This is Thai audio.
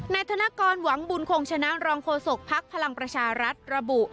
ธนกรหวังบุญคงชนะรองโฆษกภักดิ์พลังประชารัฐระบุ